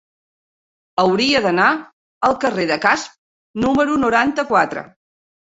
Hauria d'anar al carrer de Casp número noranta-quatre.